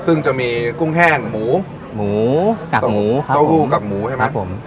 ซึ่งจะมีกุ้งแห้งหมูหมูกักหมูครับผมก้าวหู้กักหมูใช่ไหมครับผม